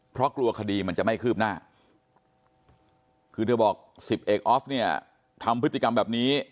เพราะกลัวคดีมันจะไม่คืบหน้าคือเธอบอกสิบเอกออฟเนี่ยทำพฤติกรรมแบบนี้